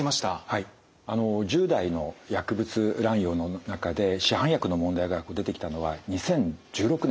はいあの１０代の薬物乱用の中で市販薬の問題が出てきたのは２０１６年。